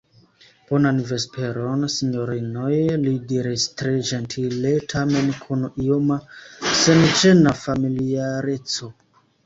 Bonan vesperon, sinjorinoj, li diris tre ĝentile, tamen kun ioma, senĝena familiareco.